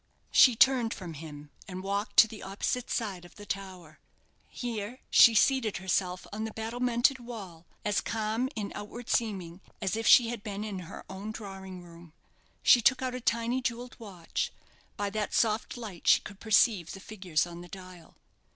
She turned from him and walked to the opposite side of the tower. Here she seated herself on the battlemented wall, as calm, in outward seeming, as if she had been in her own drawing room. She took out a tiny jewelled watch; by that soft light she could perceive the figures on the dial.